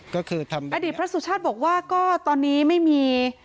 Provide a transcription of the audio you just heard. ก็คือทำอดีตพระสุชาติบอกว่าก็ตอนนี้ไม่มี